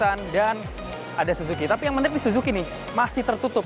ada suzuki tapi yang menarik nih suzuki nih masih tertutup